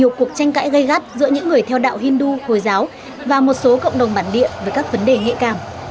đây là một cuộc tranh cãi gây gắt giữa những người theo đạo hindu hồi giáo và một số cộng đồng bản địa với các vấn đề nghệ cảm